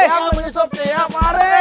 yang menyusup tiap hari